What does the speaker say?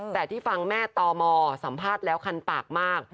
แต่ที่ฟังแม่ตมสัมภาษณ์แล้วคันปากมาก